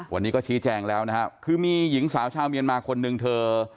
วันนี้ก็ชี้แจงแล้วนะครับคือมีหญิงสาวชาวเมียนมาคนหนึ่งเธอ